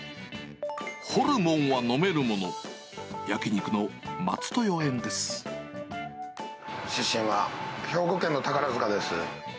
ホルモンは飲めるもの、出身は兵庫県の宝塚です。